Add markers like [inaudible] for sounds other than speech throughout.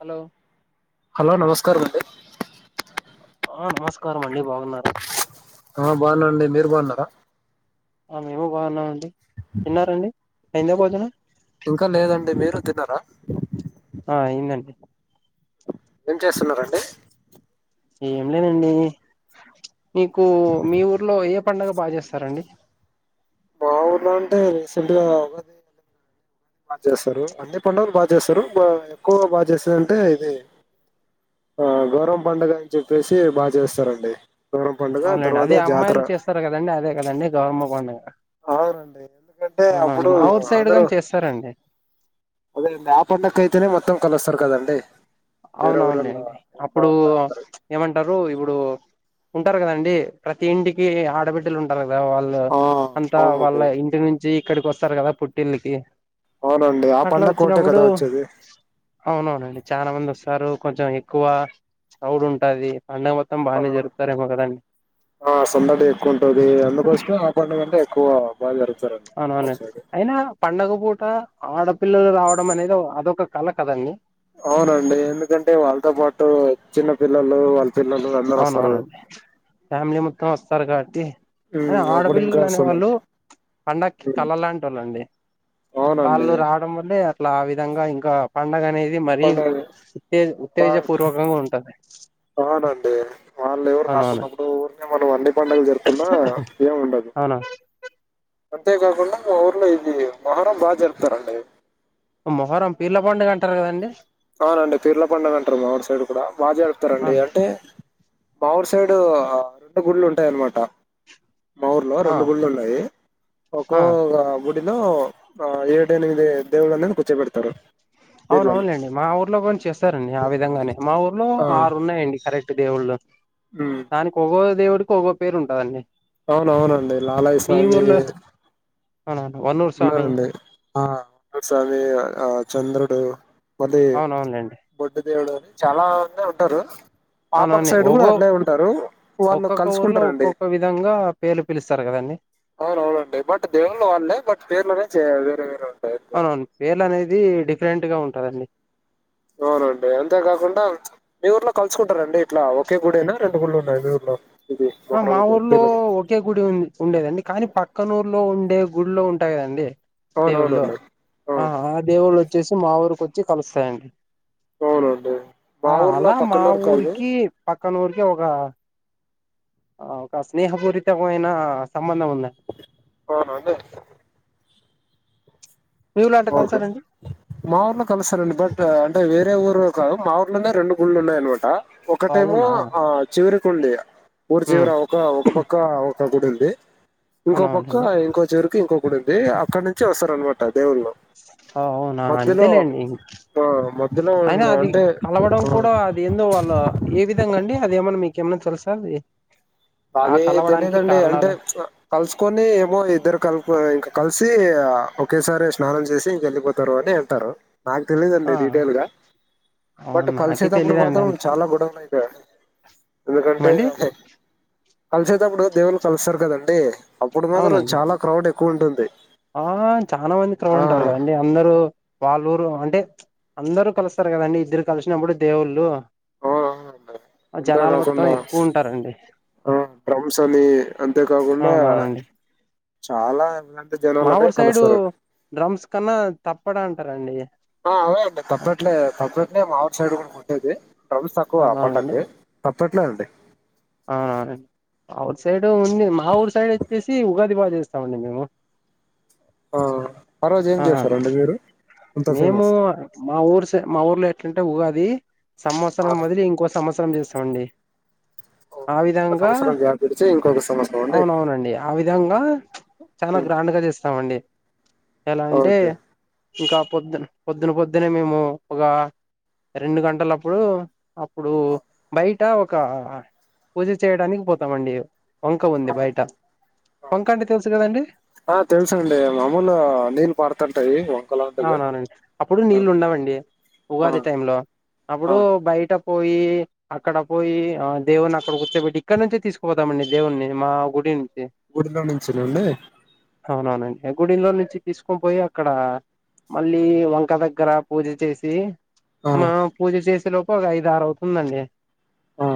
Hello hello నమస్కారం అండి ఆ నమస్కారం అండి బాగున్నారా ఆ బావున్నాండి మీరు బావున్నారా ఆ మేము బావున్నామండి ఇంకా లేదండి మీరు తిన్నరా ఆ అయిందండి ఏం చేస్తున్నరండి ఏం లేదండి మీకు మీ ఊర్లో ఏ పండగ బా చేస్తారండి మా ఊర్లో అంటే రీసెంట్ గా ఉగాది బాగా చేస్తారు అన్ని పండుగలు బాగా చేస్తారు బా ఎక్కువ బాగా చేసెదంటే ఇది ఆ గౌరం పండుగ అని చెప్పేసి బా చేస్తారండి గౌరవం పండుగ అవునండి అది తర్వాత జాతర అమ్మాయిలు చేస్తారు కదండి అదే కదండి గౌరమ్మ పండుగ అవునండి ఎందుకంటే అవునండి అప్పుడు మా ఊరు సైడ్ అందరూ గాని చేస్తారండి అదేనండి ఆ పండగకు అయితేనే మొత్తం కలుస్తారు కదండి వేరే అవునవును ఊరల్లో లేండి ఇంట్లో అప్పుడు ఉన్న అందరూ ఏమంటారు ఇప్పుడు ఇప్పుడు ఉంటారు కదండి ప్రతి ఇంటికి ఆడబిడ్డలు ఉంటారు ఆ వాళ్ళు ఆ అంతా వాళ్ళ అవునండి ఇంటి నుంచి ఇక్కడికి వస్తారు కదా పుట్టిల్లికి అవునండి ఆ అట్లా పండగ ఒకటే వచ్చినప్పుడు కదా వచ్చేది అవునవునండి అవును సారు కొంచెం ఎక్కువ సౌడ్ ఉంటది పండ మొత్తం బానే ఆ జరుగుతారేమో కదండి ఆ సందడి ఎక్కువ ఉంటది అందుకోసమే ఆ పండుగంటే ఎక్కువ బాగా జరుపుతారండి మా అవునవును సైడ్. అయినా పండగ పూట ఆడపిల్లలు రావడం అనేది ద్ అదొక కళ కదండి అవునండి ఎందుకంటే వాళ్ళతో పాటు చిన్న పిల్లలు వాళ్ళ పిల్లలు అందరొస్తారు. అవునవునండి ఫ్యామిలీ మొత్తం వస్తారు కాబట్టి హ్మ్. అప్పుడు ఇంకా ఆడపిల్లలు అనే సందడి. వాళ్ళు పండక్కి హ్మ్. కళ్ళ లాంటి వాళ్ళోండి అవునండి. వాళ్ళు రావడం వల్లే అట్లా ఆ విధంగా ఇంకా పండగనేద్ ఇది మరీ పండగలు ఉత్తే బా ఉత్తేజ పూర్వకంగా ఉంటది వాళ్ళు ఎవరు అవునవును రాకున్నప్పుడు ఉరికనే మనం ఎన్ని పండుగ జరుగకున్నా ఏం ఉండదు అవును అంతేగాకుండా మా ఊర్లో ఇది మొహర్రం బాగా జరుపుతారండి మొహర్రం పీర్ల పండుగ అంటారు కదండి అవునండి పీర్ల పండుగ అంటారు మా ఊరు సైడ్ కూడా బాగా జరుపుతారండి అవును అంటే మా ఊరు సైడ్ రెండు గుళ్ళు ఉంటాయి అన్నమాట మా ఊర్లో ఆ రెండు గుళ్ళు ఉన్నాయి ఆ ఒకొక లో ఆ ఏడేనిమీది దేవుళన్ కుర్చోబెడుతారు అవునవును లెండి మా ఊర్లో కుని చేస్తారండి ఆ విధంగానే మా ఊర్లో ఆ ఆరు ఉన్నాయండి కరెక్ దేవుళ్ళు ఉమ్ దానికి ఒగో దేవుడికి ఒగో పేరు ఉంటదండి అవునవునండి లాలాయ స్వామి అవునవునా వన్నూరు స్వామి ఉన్నారండి ఆ ము స్వామి ఆ చంద్రుడు మళ్ళీ అవునవునులేండి బొడ్డు దేవుడు అని చాలా మందే ఉంటారు మా పక్క అవునవును సైడ్ కూడా ఒగో అట్లే ఉంటారు వాళ్ళు ఒక్కొక్క ఊర్లో కలుసుకుంటారండి ఒక్కొక్క విధంగా పేర్లు పిలుస్తారు కదండి అవునవునండి బట్ దేవుళ్ళ వాళ్ళే బట్ పేర్లోనే చేయ్ వేరే వేరే ఉం అవునవును పేర్ల అనేది డిఫరెంట్ గా ఉంటందండి అవునండి అంతేకాకుండా మీ ఊర్లో కలుసుకుంటారండి ఇట్లా ఒకే గుడేనా రెం గుళ్ళు ఉన్నాయి మీ ఊర్లో ఇది ఆ మా మొహరంకు ఊర్లో వీళ్ళకి ఒకే గుడి ఉంద్ ఉండేదండి కానీ పక్కనూరులో ఉండే గుళ్లో ఉంటాయి కదండి దేవుళ్ళు అవునవునండి. ఆ ఆ దేవుళ్ళు వచ్చేసి మా ఊరికోచ్చి కలుస్తాయండి అవునండి. మా ఆ ఊర్లో అలా మా పక్కనూరు కాదు. ఊరికి పక్కన ఊరికి ఒక ఆ ఒక స్నేహపూరితమైన సంబంధం ఉందండి అహా అంటే మీ ఊర్లో అట్ట ఓకే కలిసారండి మా ఊర్లో కలుస్తరండి బట్ అంటే వేరే ఊరు కద్ మా ఊర్లోనే రెండు గుళ్లు ఉన్నాయ్ అన్నమాట ఒకటేమో అవునా ఆ చివరికుంది ఊరు చివర హ్మ్. ఒక ఒక పక్క ఒక గుడి ఉంది ఇంకో పక్క అవునవునండి ఇంకో చేర్ కి ఇంకొ గుడి ఉంది అక్కనుంచి వస్తారన్నమాట దేవుళ్ళు అవునా మధ్యలో అంతేలేండి ఇం ఆ! మధ్యలో అయినా ఉన్న అది అంటే కలవడం ఆ! కూడా అది ఎందో వాళ్ళ ఏ విధంగా అండి అదేమన్నా మీక్ కేమన్న తెల్సా అది ఆ అదే కలవడానికి తెలిదండి అంటే కారణాలు కలుసుకొని ఏమో ఇద్దరు కలుప్ ఇంకా కలిసి ఒకేసారి స్నానం చేసి ఇంక వెళ్ళిపోతారు అని అంటారు నాకు తెలీదండి ఆ డీటెయిల్ గా బట్ అవును నాకే కలిసేటప్పుడు తెలియదండి మాత్రం అంత చాలా గొడవలు అయి గ ఎందుకంటే ఏమండి కలిసేటప్పుడు దేవున్నీ కలిస్తారు కదండి అప్పుడు మాత్రం అవునండి చాలా క్రౌడ్ ఎక్కువ ఉంటుంది ఆ ఆ చాలా మంది క్రౌడ్ ఉంటరు కదండి అందరు వాళ్ళు ఊరు అంటే చుప్ అందరు కలుస్తరు కదండి ఇద్దరు కలిషినప్పుడు దేవుళ్ళు ఆ అ అంటె ఆ అంతె జనాలు మొత్తం కాకుండా ఎక్కువ ఉంటారండి ఆ డ్రమ్స్ అని అంతే కాకుండా అవునవునండి చాలా [inaudible] మా ఊరు సైడు కలుస్తారండి. డ్రమ్స్ కన్నా తప్పడా అంటరండి. ఆ అవును అదే తప్పట్లే తప్పట్నే మావుర్ సైడ్ కూడా కొట్టేది డ్రమ్స్ తక్కువ పండక్కి తప్పట్లేదండి. ఆ అవుట్ సైడ్ ఉంది మా ఊరు సైడ్ వచ్చేసి ఉగాది బాగా చేస్తామండి మేము ఆ రోజు ఏం ఆ చేస్తారండి మీరు అంత మేము ఫేమస్ మా ఊరు సె మా ఊర్లో ఎట్లంటె ఉగాది వి ఆ, సంవత్సరం వదిలి ఇంకో సంవత్సరం చేస్తమండి ఓ, ఆ ఒక విధంగా సంవత్సరం గ్యాప్ ఇడిచి ఇంకొక సంవత్సరం అండి అవునవునండి ఆ విధంగా చాలా ఉమ్, గ్రాండ్ గా చేస్తమండి. ఎలా అంటె ఓకే ఇంక పొద్దున పొద్దున పొద్దునే మేము ఒగ రెండు గంటలప్పుడు అప్పుడు బయట ఒక పూజ చేయడానికి పోతమండి వంక ఆ ఉంది బయట వంక అంటే తెలుసు కదండి ఆ తెల్సండి మామూలగ నీళ్లు పార్తంటయి అవునవునండి అప్పుడు నీళ్ళు ఉండవండి ఆ ఉగాది టైం లో ఆ, అప్పుడు బయట పోయి అక్కడ పోయి ఆ దేవుని అక్కడ కూర్చబెట్టి ఇక్కడ నుంచె తీసుకుపోతామండి దేవుణ్ని మా గుడి ఉంది ఒడిలో నుంచె నండి ఎ గుడిలో నుంచి తీసుకొని పోయి అక్కడ మళ్ళీ వంక దగ్గర పూజ చేసి ఆ మా పూజ చేసే లోపు ఒక ఐదా ఆరు అవుతుందండి ఆ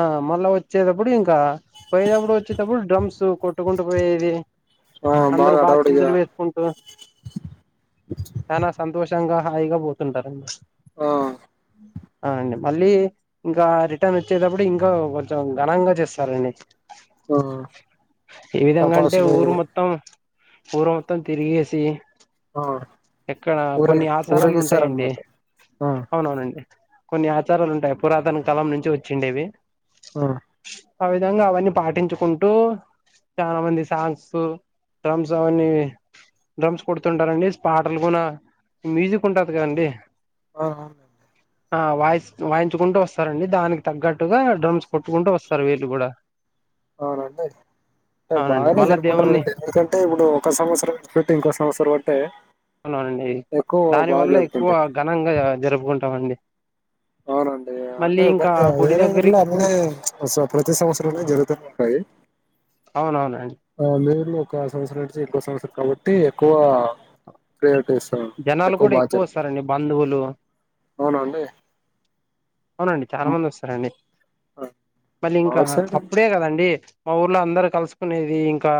ఆ మళ్ళా వచ్చేటప్పుడు ఇంకా పోయేనప్పుడు వచ్చేటప్పుడు డ్రమ్స్ కొట్టుకుంటూ పోయేది ఆ అందరు బాగా బాగ హడావుడిగా చిందులు వేస్కుంటు చాన సంతోషంగా హాయిగా పోతుంటరండి. ఆ ఆ అండి మళ్ళీ ఇంకా రిటర్న్ వచ్చేటప్పుడు ఇంకా కొంచెం ఘనంగా చేస్తరండి. ఆ ఏ విధంగా అంటె టపాసులు ఊరు మొత్తం ఊరు మొత్తం తిరిగేసి ఆ ఎక్కడ ఊరే కొన్ని ఆచారాలు ఉంటయండి. ఊరేగిస్తారనమాట ఆ అవునవునండి కొన్ని ఆచారాలు ఉంటాయి పురాతన కాలం నుంచి వచ్చిండేవి అ ఆ విధంగా అవన్నీ పాటించుకుంటూ చాలా మంది సాంగ్సు డ్రమ్స్ అవన్నీ డ్రమ్స్ కొడుతుంటరండి పాటలు కూన మ్యూజిక్ ఉంటది కదండి. ఓహొ ఆ వాయిస్ వాయించుకుంటూ వస్తరండి దానికి తగ్గట్టుగా డ్రమ్స్ కొట్టుకుంటూ వస్తరు వీళ్ళు కూడ అవునండి అంటె అవునండి బాగనే మళ్ళా దేవుణ్ణి జరుపుకుంటరులేండి ఎందుకంటే ఇప్పుడు ఒక సంవత్సరం పెట్టి ఇంకో సంవత్సరం అంటే అవునా అండి ఎక్కువ దాని బాగా వల్ల ఎక్కువ జరుపుకుంటారు ఘనంగా జరుపుకుంటమండి. అవునండి అ ఇంకా బట్ గుడి వేరె దగ్గరి ఉర్లో అన్ని స ప్రతి సంవత్సరంలో జరుగుతునెఉన్టయి ఎ అవున ఆ నేర్లు ఒక సంవత్సరం నుంచి ఇంకో సంవత్సరం కాబట్టి ఎక్కువ ప్రేయర్ టేస్ ఆ జనాలు ఎక్కువ కూడా బాగా జరుగ్ వస్తారండి బంధువులు అవునా అండి అవునండి చాలా మంది వస్తరండి ఆ, మళ్ళీ మా ఇంకా ఊరు సైడ్ అప్పుడే కదండి ఆ ఊర్లో అందరు కలుసుకునేది ఇంకా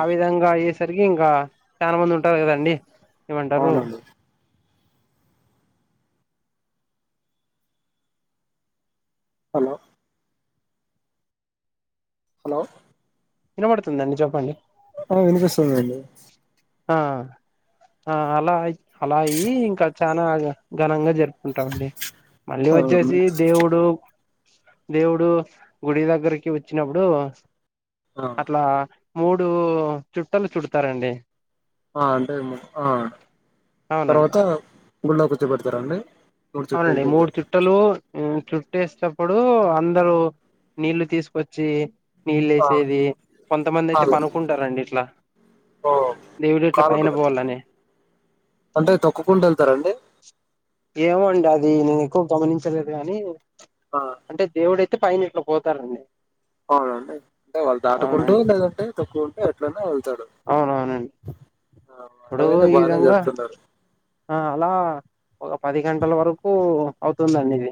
ఆ విధంగా ఏస్ సరికి ఇంకా చాలా మంది ఉంటారు కదండి ఏమంటరూ అవునండి హలొ హలో వినబడుతుందండి చెప్పండి అ వినిపిస్తుందండి ఆ ఆ అలా అయి అలా అయి ఇంకా చనా ఘనంగా జరుపు కుంటాంమండి మళ్ళీ వచ్చేసి అవునండి. దేవుడు దేవుడు గుడి దగ్గరికి వచ్చినప్పుడు ఆ అట్లా మూడు చుట్టలు చుడతారండి ఆ అంటేమో ఆ అవునండి తర్వాత గుళ్ళో కూర్చోబెడతారండి మూడు చుట్టాలు అవునండి తిరిగి మూడు చుట్టలు మ్ చుట్టేస్తప్పుడు అందరూ నీళ్ళు తీసుకొచ్చి ఆ నీళ్లేసేది కొంతమంది అయితే కాలు పనుకుంటారండి ఇట్లా ఓ దేవుడు ఇట్లా పైన కాలొకటి పోవాలనే అంటే తోక్కుకుంట వెళ్తారండి ఏమో అండి అది నేను ఎక్కువ గమనించలేదు గాని ఆ అంటే దేవుడె తే పైన ఇట్లా పోతారండి అవునండి అంటే వాళ్ళు దాటుకుంటూ అవునండి లేదంటే తక్కుకుంటూ ఎట్లైనా వెళ్తారు అవునవునండి ఆ ఇప్పుడు అటగైతే ఈ బానే విధంగా జరుపుతున్నారు ఆ అలా ఒక పది గంటల వరకు అవుతుందండి ఇది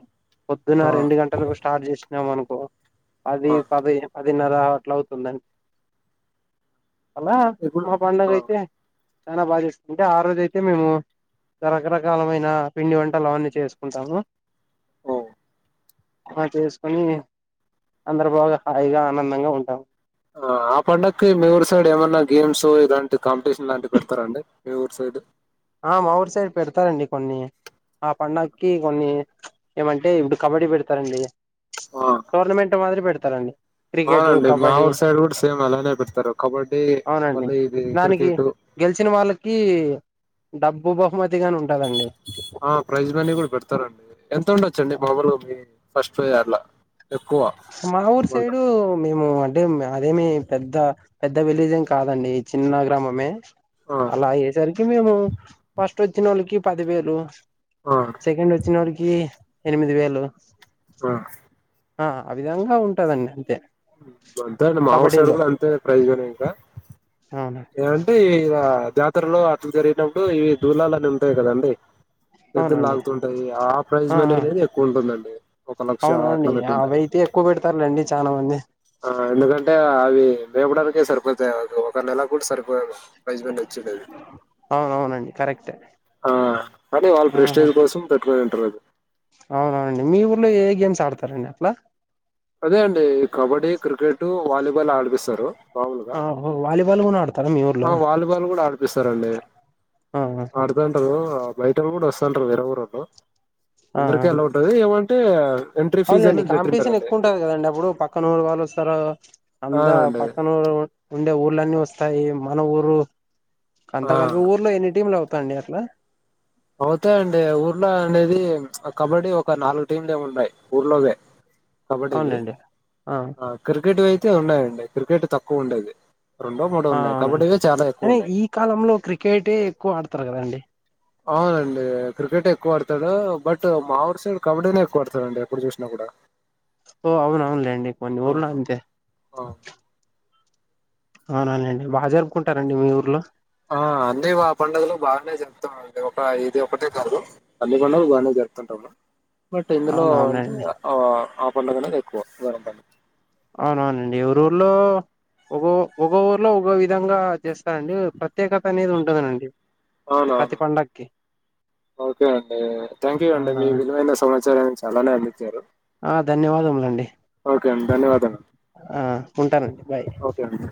పొద్దున ఆ రెండు గంటలకు స్టార్ట్ చేసినాం మనకో అది ఆ పది పది విన్నర అట్ల అవుతుందండి అలా ఇప్పుడు మా పండుగ ఆ అయితే చానా బాగా చేసుకుంటే ఆ రోజు అయితే మేము రకరకాలమైన పిండి వంటలు అవన్నీ చేసుకుంటాము ఓ అ చేసుకోని అందరూ బాగా హాయిగా ఆనందంగా ఉంటాం ఆ ఆపండక్కి మీ ఊరు సైడ్ ఏమన్నా గేమ్స్ ఇలాంటి కాంపిటీషన్ లాంటివి పెడతారండి మీ ఊరు సైడ్ ఆ మా ఊరు సైడ్ పెడతారండి కొన్ని ఆ పండుగకి కొన్ని ఏమంటే ఇప్పుడు కబడ్డీ పెడతారండి ఆ టోర్నమెంట్ మాదిరి పెడతారండి క్రికెట్ అవునండి మా కబడ్డీ ఊరు సైడ్ కూడా సేమ్ అలానే పెడతారు కబడ్డీ అవునండి మళ్ళీ ఇది దానికి క్రికెట్ గెలిచిన వాళ్ళకి డబ్బు బహుమతి గాని ఉం ఆ ప్రైజ్ మనీ కూడా పెడతారండి ఎంత ఉండొచ్చండి మామూలుగా మీ ఫస్ట్ ప్రైజ్ అట్లా ఎక్కువ మా ఊరు అమౌంట్ సైడు మేము అంటే మాదేమి పెద్ద పెద్ద విలేజెం కాదండి చిన్న గ్రామమే ఆ అలా అయ్యేసరికి మేము ఫస్ట్ వచ్చిన ఒళ్ళకి పదివేలు ఆ సెకండ్ ఓచ్చినోడికి ఎనిమిది వేలు ఆ ఆ అ విధంగా ఉంటదండి అంతే మ్ అంతే అండి మా ఊరు సైడ్ కబడ్డీలో కూడా అంతే ప్రైజనే ఇంకా అవును ఏమంటే ఇలా జాతరలో అట్లు జరిగినప్పుడు ఇవి దూలాలని ఉంటాయి కదండి ఎద్దులు అవునండి లాగుతుంటాయి ఆ ప్రైజ్ మనీ అనేది ఎక్కువ ఉంటుందండి ఒక లక్ష అవునవునండి అట్లా పెట్టింటారు అవైతే ఎక్కువ పెడతారులేండి చానా మంది ఆ ఎందుకంటే అవి మేపడానికే సరిపోతాయి ఒక నెల కూడా సరిపోయి ప్రైజ్ మనీ చెడేది అవునవునండి కరెక్టే ఆ అనీ వాళ్ళ ప్రెస్టేజ్ కోసం పె వేరు ఉంటలేదు అవునా అండి మీ ఊర్లో ఏ గేమ్స్ ఆడతారండి అట్లా అదే అండి కబడ్డీ క్రికెట్ వాలీబాల్ ఆడిపిస్తరు ఆహో వాలిబాల్ ను కూడా ఆడుత్ ఆ వాలీబాల్ కూడా ఆడిపిస్తారండి ఆ ఆ ఆడదాం తరు బయటోళ్లు కూడా వస్తా ఉంటారు వేరే ఊరోళ్ళు ఆ అందరికే అల్లో ఉంటది ఏమంటే ఎంట్రీ ఫీజ్ అవునులేండి అనేది కాంపిటీషన్ పెట్టింటారండి తరు అంద అవునండి పక్కనురు ఉండే ఊర్లన్నీ వస్తాయి మన ఊరు అంత ఆ కలిపి ఊర్లో ఎన్ని టీంలు అవుతాండి అట్లా అవుతాయండి ఊర్లో అనేది కబడ్డీ ఒక నాలుగు టీంలేమి ఉన్నాయి ఊర్లోవే కబడ్డీవి అవునులేండి ఆ క్రికెట్ వయితే ఉన్నాయండి క్రికెట్ తక్కువ ఉండేది రెండో మూడో ఆ ఉన్నాయి అవునండి కబడ్డీవే చాలా ఎక్కువ అరె ఉన్నాయి ఈ కాలంలో క్రికెటే ఎక్కువ ఆడతారు కదండి అవునండి క్రికెట్ ఎక్కువ ఆడతాడు బట్ మా ఊరి సైడ్ కబడ్డీనే ఎక్కువ ఆడతాడండి ఎప్పుడు చూసిన కూ బ ఓ అవును అవునులేండి కొన్ని ఊర్లో అంతే ఆ అవుననండి బా జరుపుకుంటారండి మీ ఊర్లో ఆ అన్ని మ పండుగలో బాగానే చెప్తాం అండి ఒక ఇది ఒకటే కాదు అన్ని పండగలు బాగానే చె తుంటా బట్ ఇందులో అంటే అవునవునండి ఆ పండుగ అనేది ఎక్కువ అవునవునండి ఏ ఊళ్లో ఒక ఒక ఊర్లో ఒకో విధంగా చేస్తారండి ప ప్రత్యేకత అనేది ఉంటదనండి ప్రతి అవునవును పండక్కి ఓకే అండి థ్యాంక్ యూ అండి మీ అవునవునండి విలువైన సమాచారాన్ని చాలానే అంది ఆ ధన్యవాదములండి ఓకే ధన్యవాదాలు ఆ ఉంటానండి బాయ్ ఓకే అండి